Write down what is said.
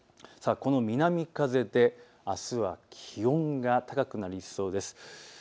この南風であすは気温が高くなりそうです。